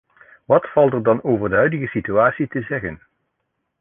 Wat valt er dan over de huidige situatie te zeggen?